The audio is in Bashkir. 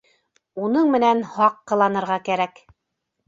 Уның менән һаҡ ҡыланырға кәрәк.